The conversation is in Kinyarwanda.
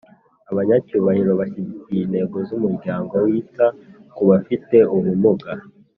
Abanyacyubahiro bashyigikiye intego z’umuryango wita ku bafite ubumuga